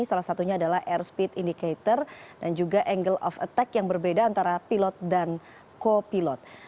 salah satunya adalah airspeed indicator dan juga angle of attack yang berbeda antara pilot dan co pilot